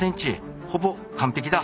ほぼ完璧だ！